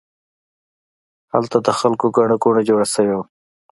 هلته د خلکو ګڼه ګوڼه جوړه شوې وه.